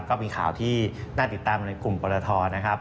ก็มีข่าวที่น่าติดตามในกลุ่มปรทนะครับ